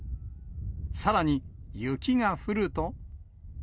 さらに、雪が降ると。